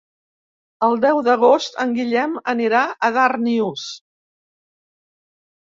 El deu d'agost en Guillem anirà a Darnius.